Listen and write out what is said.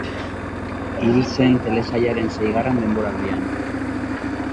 Hil sen telesailaren seigarren denboraldian.